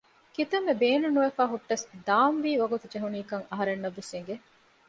ކިތަންމެ ބޭނުން ނުވެފައި ހުއްޓަސް ދާން ވީ ވަގުތު ޖެހުނީކަން އަހަރެންނަށް ވެސް އެނގެ